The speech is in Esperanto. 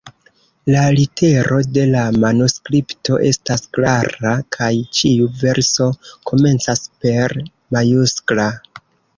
La litero de la manuskripto estas klara kaj ĉiu verso komencas per majuskla.